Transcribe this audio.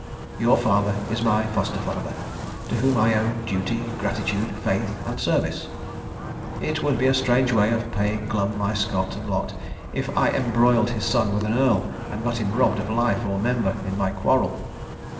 Your father is my foster father, to whom I owe duty, gratitude, faith and service. It would be a strange way of paying Glum my scot and lot if I embroiled his son with an Earl, and got him robbed of life or member in my quarrel.